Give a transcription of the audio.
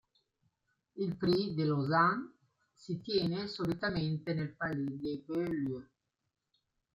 Il Prix de Lausanne si tiene solitamente nel Palais de Beaulieu.